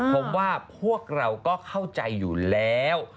ผมว่าพวกเราก็เข้าใจอยู่แล้ว